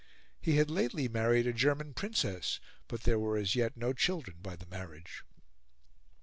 He had lately married a German Princess, but there were as yet no children by the marriage.